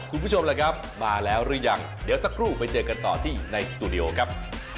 คุณผู้ชมล่ะครับมาแล้วหรือยังเดี๋ยวสักครู่ไปเจอกันต่อที่ในสตูดิโอครับ